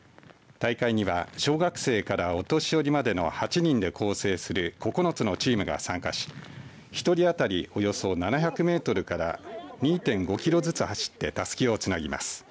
大会には小学生からお年寄りまでの８人で構成する９つのチームが参加し１人当たりおよそ７００メートルから２．５キロずつ走ってたすきをつなぎます。